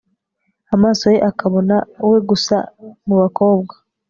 amaso ye akabona we gusa mubakobwa